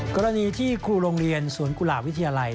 กรณีที่ครูโรงเรียนสวนกุหลาบวิทยาลัย